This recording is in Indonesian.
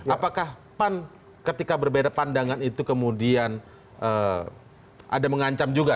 apakah pan ketika berbeda pandangan itu kemudian ada mengancam juga